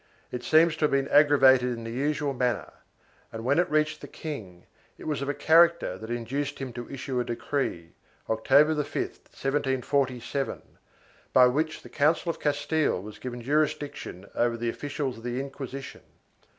It seems to have been aggravated in the usual manner and, when it reached the king, it was of a character that induced him to issue a decree, October 5, 1747, by which the Council of Castile was given jurisdiction over the officials of the Inquisition.